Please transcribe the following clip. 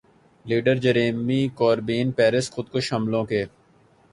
leader Jeremy Corbyn Paris خودکش حملوں کے